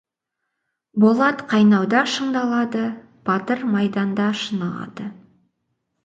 Болат қайнауда шыңдалады, батыр майданда шынығады.